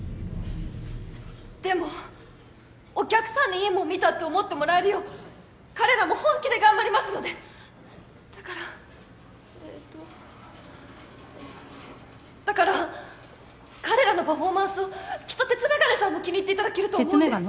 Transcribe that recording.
でもお客さんにいいもの見たって思ってもらえるよう彼らも本気で頑張りますのでだからえーとだから彼らのパフォーマンスをきっと鉄眼鏡さんも気に入って鉄眼鏡？